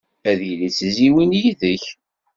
Ad yili d tizzyiwin yid-k.